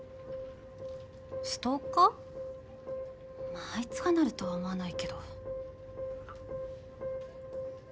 まああいつがなるとは思わないけど。